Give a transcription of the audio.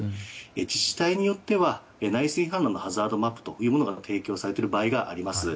自治体によっては内水氾濫のハザードマップが提供されている場合があります。